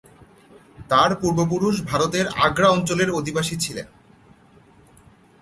তার পূর্বপুরুষ ভারতের আগ্রা অঞ্চলের অধিবাসী ছিলেন।